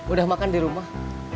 udah makan di rumah